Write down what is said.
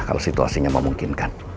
kalau situasinya memungkinkan